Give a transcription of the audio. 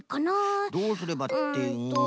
どうすればってうん。